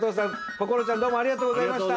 こころちゃんどうもありがとうございました！